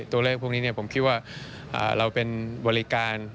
ตัวเลขพวกนี้ผมคิดว่าเราเป็นบริการ